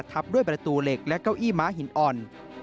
ทับด้วยประตูเหล็กและเก้าอี้ม้าหินอ่อน